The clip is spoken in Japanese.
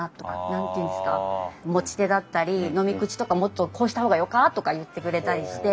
何て言うんですか持ち手だったり飲み口とかもっとこうした方がよか？とか言ってくれたりして。